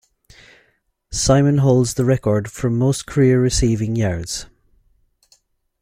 Simon holds the record for most career receiving yards.